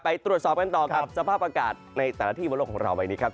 ไปตรวจสอบกันต่อกับสภาพอากาศในแต่ละที่บนโลกของเราใบนี้ครับ